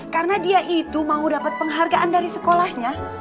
karena dia itu mau dapat penghargaan dari sekolahnya